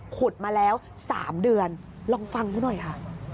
ขุดมาแล้ว๓เดือนลองฟังเขาหน่อยค่ะ